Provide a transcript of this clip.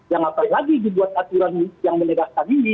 yang apa lagi dibuat aturan yang menegaskan ini